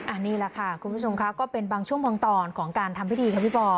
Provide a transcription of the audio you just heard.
อันนี้แหละค่ะคุณผู้ชมค่ะก็เป็นบางช่วงบางตอนของการทำพิธีค่ะพี่ปอ